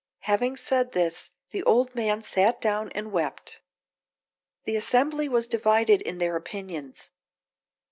Having said this, the old man sat down and wept. The assembly was divided in their opinions.